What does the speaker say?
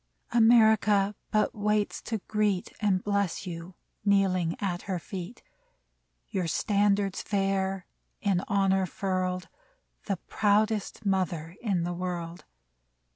America but waits to greet And bless you, kneeling at her feet, Your standards fair, in honor furled, The proudest mother in the world